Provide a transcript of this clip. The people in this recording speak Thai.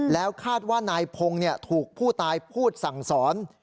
แล้วคาดว่านายพงศ์ถูกผู้ตายพูดสั่งสอน